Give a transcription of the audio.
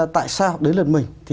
tại sao đến lần mình